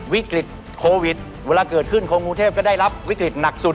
วิกฤตโควิดเวลาเกิดขึ้นคนกรุงเทพก็ได้รับวิกฤตหนักสุด